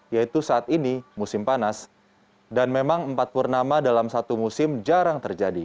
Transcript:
yaitu saat ini musim panas dan memang empat purnama dalam satu musim jarang terjadi